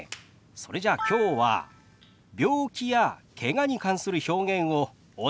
それじゃあきょうは病気やけがに関する表現をお教えしましょう。